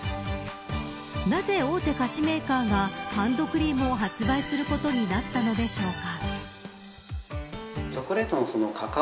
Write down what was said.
なぜ大手菓子メーカーがハンドクリームを発売することになったのでしょうか。